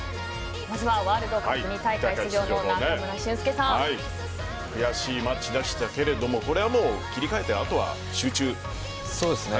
まずワールドカップ２大会出場の悔しいマッチでしたけどこれは切り替えてあとは集中ですね。